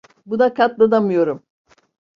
Buna katlanamıyorum.